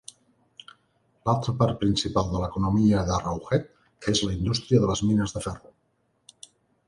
L'altra part principal de l'economia d'Arrowhead és la indústria de les mines de ferro.